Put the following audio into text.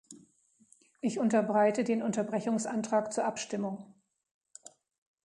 Ich unterbreite den Unterbrechungsantrag zur Abstimmung.